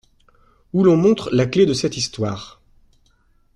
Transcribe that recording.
Où l'on montre la clef de cette histoire.